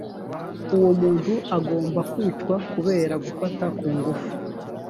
uwo muntu agomba kwicwa kubera gafata ku ngufu.